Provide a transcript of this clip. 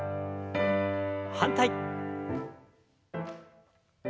反対。